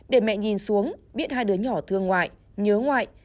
để mẹ nhìn xuống biết hai đứa nhỏ thương ngoại nhớ ngoại